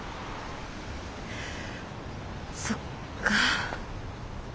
そっか。